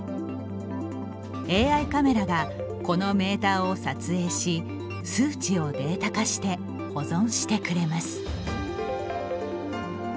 ＡＩカメラがこのメーターを撮影し数値をデータ化して保存してくれます。